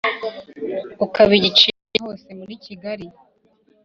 ukaba igicibwa hose muri kigali